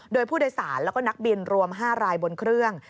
โดยผู้โดยสารแล้วก็นักบินรวม๕รายบนเครื่อง